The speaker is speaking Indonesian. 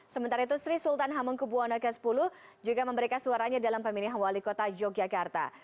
sementara itu sri sultan hamengkubwono x juga memberikan suaranya dalam pemilihan wali kota yogyakarta